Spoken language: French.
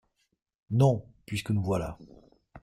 Non… puisque vous voilà.